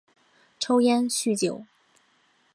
抽烟酗酒